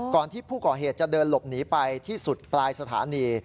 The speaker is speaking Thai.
ที่ผู้ก่อเหตุจะเดินหลบหนีไปที่สุดปลายสถานี